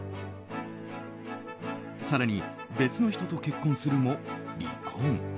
更に、別の人と結婚するも離婚。